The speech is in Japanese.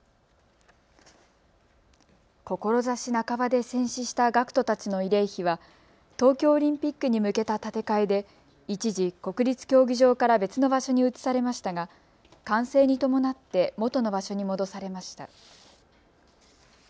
志半ばで戦死した学徒たちの慰霊碑は東京オリンピックに向けた建て替えで一時、国立競技場から別の場所に移されましたが完成に伴って元の場所に戻されました。